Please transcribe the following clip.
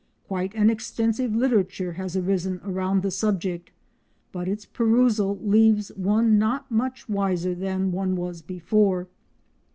Quite an extensive literature has arisen around the subject but its perusal leaves one not much wiser than one was before.